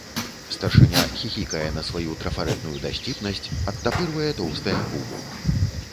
Старшыня хіхікае на сваю трафарэтную дасціпнасць, адтапырвае тоўстыя губы.